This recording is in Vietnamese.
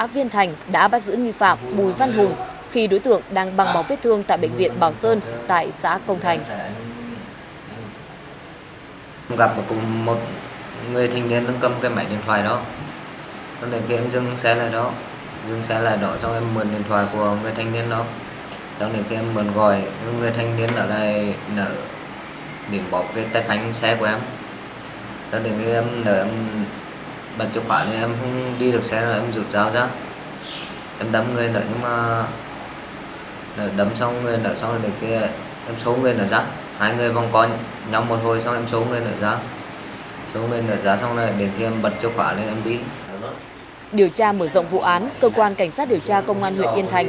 điều tra mở rộng vụ án cơ quan cảnh sát điều tra công an huyện yên thành